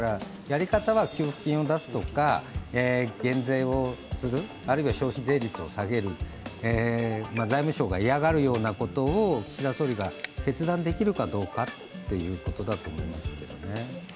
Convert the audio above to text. やり方は給付金を出すとか、減税をするあるいは消費税率を下げる、財務省がいやがるようなことを岸田総理が決断できるかどうかということだと思いますけどね。